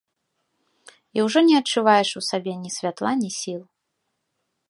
І ўжо не адчуваеш ў сабе ні святла, ні сіл.